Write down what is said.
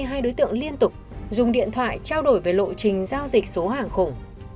hai đối tượng liên tục dùng điện thoại trao đổi về lộ trình giao dịch số hàng khủng